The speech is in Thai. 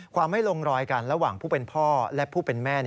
ไม่ลงรอยกันระหว่างผู้เป็นพ่อและผู้เป็นแม่